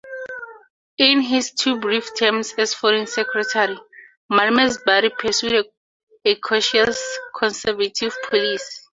In his two brief terms as foreign secretary, Malmesbury pursued a cautious, Conservative policy.